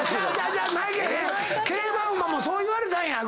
競馬馬もそういわれたんや。